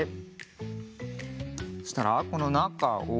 そしたらこのなかを。